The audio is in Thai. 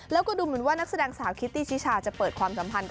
แล้วก็ดูเหมือนว่านักแสดงสาวคิตตี้ชิชาจะเปิดความสัมพันธ์